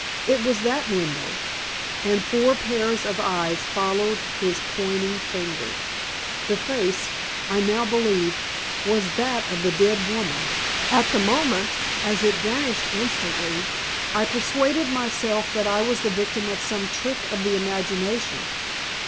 It was that window," and four pairs of eyes followed his pointing finger. "The face, I now believe, was that of the dead woman. At the moment, as it vanished instantly, I persuaded myself that I was the victim of some trick of the imagination.